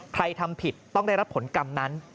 ทำผิดต้องได้รับผลกรรมนั้น